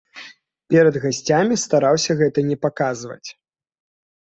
Перад гасцямі стараўся гэта не паказваць.